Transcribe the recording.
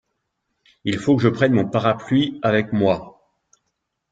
Il faut que je prenne mon parapluie avec moi.